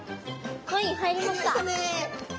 はい入りました。